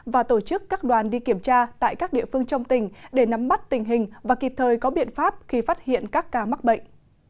và tổ chức các đoàn đi kiểm tra tại các địa phương trong tỉnh để nắm bắt tình hình và kịp thời có biện pháp khi phát hiện các ca mắc bệnh